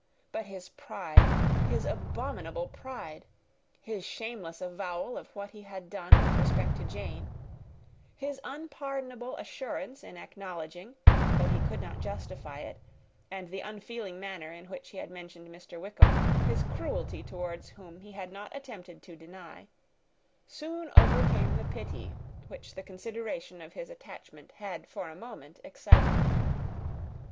But his pride, his abominable pride, his shameless avowal of what he had done with respect to Jane, his unpardonable assurance in acknowledging, though he could not justify it, and the unfeeling manner which he had mentioned Mr. Wickham, his cruelty towards whom he had not attempted to deny, soon overcame the pity which the consideration of his attachment had for a moment excited.